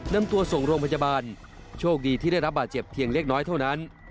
นำตัวส่งโรงพยาบาลโชคดีที่ได้รับบาดเจ็บเพียงเล็กน้อยเท่านั้น